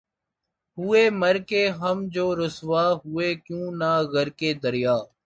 ہوئے مر کے ہم جو رسوا ہوئے کیوں نہ غرقِ دریا